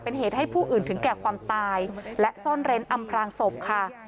เป็นเหตุให้ผู้อื่นถึงแก่ความตายและซ่อนเร้นอำพลางศพค่ะ